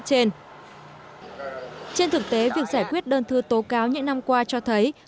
trên thực tế việc giải quyết đơn thư tố cáo những năm qua cho thấy